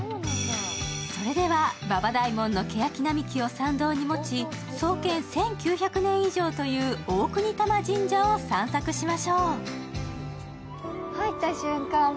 それでは馬場大門のけやき並木を参道に持ち、創建１９００年以上という大國魂神社を散策しましょう。